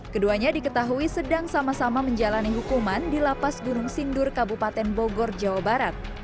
keduanya diketahui sedang sama sama menjalani hukuman di lapas gunung sindur kabupaten bogor jawa barat